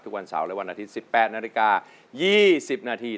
วันเสาร์และวันอาทิตย์๑๘นาฬิกา๒๐นาที